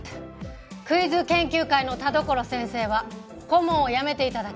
クイズ研究会の田所先生は顧問を辞めて頂きます。